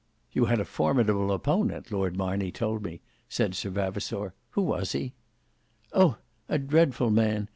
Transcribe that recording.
"You had a formidable opponent, Lord Marney told me," said Sir Vavasour. "Who was he?" "Oh! a dreadful man!